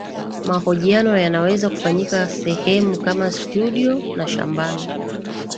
mahojiano yanaweza kufanyika sehemu kama studio na shambani